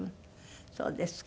そうですか。